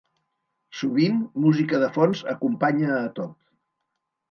Sovint, música de fons acompanya a tot.